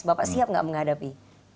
bapak siap tidak menghadapi